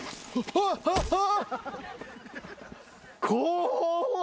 あっああっ！